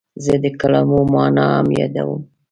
زه د کلمو مانا هم یادوم.